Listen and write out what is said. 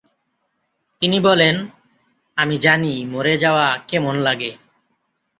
তিনি বলেন, "আমি জানি মরে যাওয়া কেমন লাগে।"